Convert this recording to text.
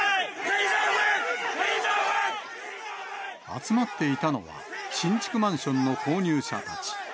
集まっていたのは、新築マンションの購入者たち。